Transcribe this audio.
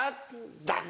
ダン！